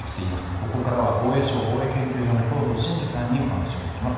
ここからは防衛省防衛研究所の兵頭慎治さんにお話を聞きます。